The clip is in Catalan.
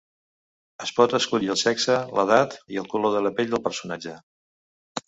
Es pot escollir el sexe, l'edat i el color de pell del personatge.